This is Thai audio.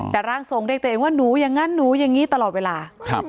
แต่ร่างทรงเรียกตัวเองว่าหนูอย่างนั้นหนูอย่างนี้ตลอดเวลา